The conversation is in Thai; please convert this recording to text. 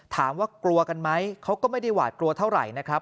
ถามว่ากลัวกันไหมเขาก็ไม่ได้หวาดกลัวเท่าไหร่นะครับ